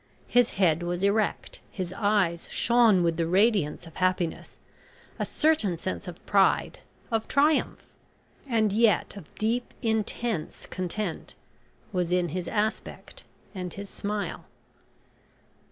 His head was erect, his eyes shone with the radiance of happiness, a certain sense of pride of triumph and yet of deep intense content, was in his aspect and his smile.